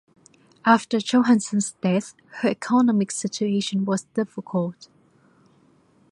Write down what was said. After Johansson's death her economic situation was difficult.